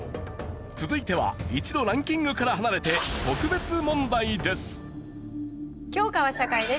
続いては一度ランキングから離れて教科は社会です。